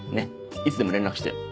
いつでも連絡してよ。